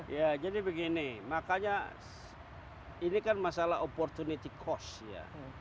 ya jadi begini makanya ini kan masalah opportunity cost ya